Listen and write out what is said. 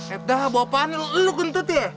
eh udah bawa apaan lu guntut ya